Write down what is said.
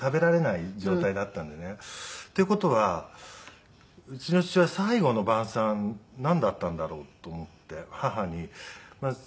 っていう事は「うちの父は最後の晩餐なんだったんだろう？」と思って母に。